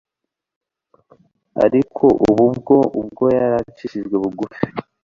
Ariko ubu bwo, ubwo yari acishijwe bugufi,